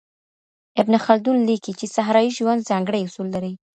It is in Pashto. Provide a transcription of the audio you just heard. ابن خلدون ليکي چي صحرايي ژوند ځانګړي اصول لري.